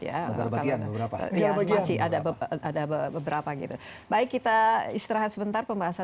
negara bagian beberapa